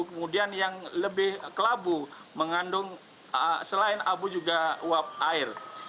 kemudian yang lebih kelabu mengandung selain abu juga uap air